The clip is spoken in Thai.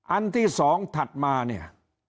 อันที่๒ถัดมาเนี่ย